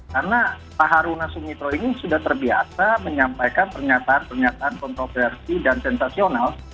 karena pak haruna sumitro ini sudah terbiasa menyampaikan pernyataan pernyataan kontroversi dan sensasional